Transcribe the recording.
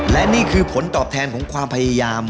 และนี่คือผลตอบแทนของความพยายาม